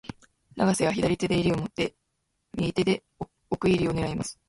永瀬は左手も襟を持って、そして、右手で奥襟を狙います。